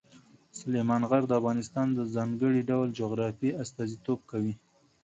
سلیمان غر د افغانستان د ځانګړي ډول جغرافیې استازیتوب کوي.